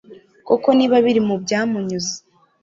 kuko niba biri mu byamunyuze